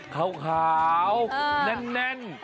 ขาวแน่น